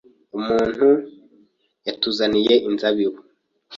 Umuntu yatuzaniye inzabibu.